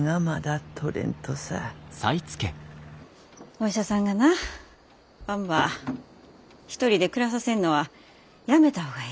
お医者さんがなばんば一人で暮らさせんのはやめた方がええて。